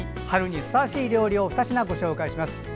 春にふさわしい料理を２品ご紹介します。